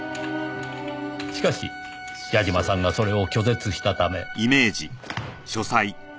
しかし矢嶋さんがそれを拒絶したため。